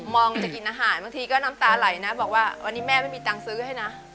องจะกินอาหารบางทีก็น้ำตาไหลนะบอกว่าวันนี้แม่ไม่มีตังค์ซื้อให้นะ